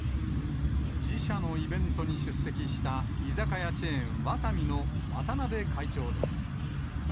自社のイベントに出席した居酒屋チェーン、ワタミの渡辺会長です。